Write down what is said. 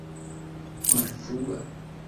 malfrua